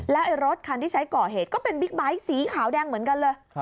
แล้วรถคันที่ใช้ก่อเหตุก็เป็นบิ๊กไบท์สีขาวแดงเหมือนกันเลย